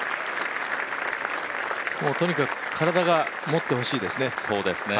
もうとにかく体がもってほしいですね。